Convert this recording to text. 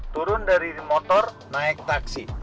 turun dari motor naik taksi